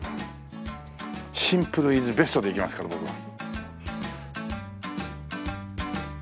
シンプルイズベストでいきますから僕は。